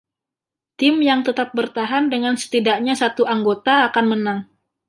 Tim yang tetap bertahan dengan setidaknya satu anggota akan menang.